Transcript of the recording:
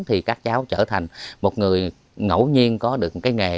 thì các cháu trở thành một người ngẫu nhiên có được cái nghề